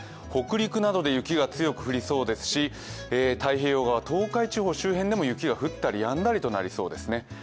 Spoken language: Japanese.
北陸などで雪が強く降りそうですし、太平洋側、東海地方周辺でも雪が降ったりやんだりとなりそうですね。